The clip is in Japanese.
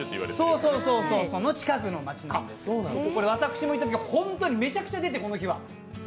それの近くの町なんですけど私も行ったときは、本当にめちゃくちゃ出て、このときは。